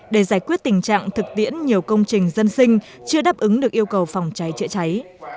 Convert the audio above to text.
để giải quyết tình trạng thực tiễn nhiều công trình dân sinh chưa đáp ứng được yêu cầu phòng cháy chữa cháy